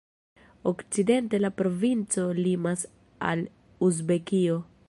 Okcidente la provinco limas al Uzbekio.